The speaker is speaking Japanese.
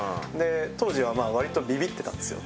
当時はまあわりとビビってたんですよ